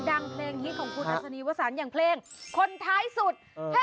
จากวันนี้เรื่องคุณจะไม่ห้ามดิฉันเลยเหรอ